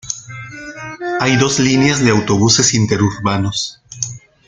Hay dos líneas de autobuses interurbanos.